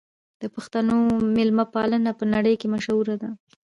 د پښتنو مېلمه پالنه په نړۍ کې مشهوره ده.